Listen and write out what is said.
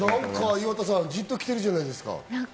岩田さん、ジンと来てるじゃないですか。